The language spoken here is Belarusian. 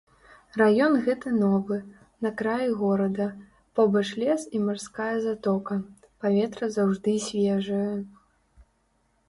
Раён гэты новы, на краі горада, побач лес і марская затока, паветра заўжды свежае.